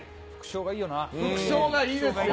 副賞がいいですよ。